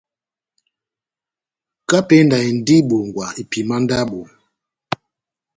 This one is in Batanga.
Kapenda endi ó ibongwa epima yá ndabo.